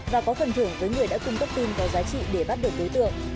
và có phần thưởng với người đã cung cấp tin có giá trị để bắt được đối tượng